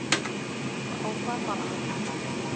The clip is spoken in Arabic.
وَأَوْفَى فَرْعًا